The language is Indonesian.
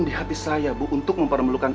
di hati saya bu untuk memperlukan